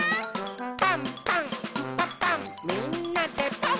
「パンパンんパパンみんなでパン！」